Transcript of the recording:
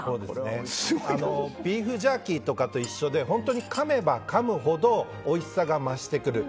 ビーフジャーキーとかと一緒でかめばかむほどおいしさが増してくる。